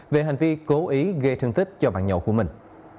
về hành vi cố ý gây thương tích cho bạn nhậu của mình